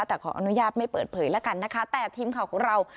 แต่ขออนุญาตไม่เปิดเผยแล้วกันนะคะแต่ทีมข่าวของเรา